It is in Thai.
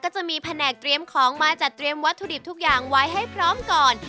จะมีแผนกเตรียมของมาจัดเตรียมวัตถุดิบทุกอย่างไว้ให้พร้อมก่อน